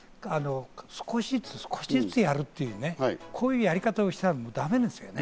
少しずつ、少しずつやる、こういうやり方をしたらもうダメなんですよね。